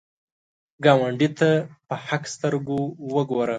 ګاونډي ته په حق سترګو وګوره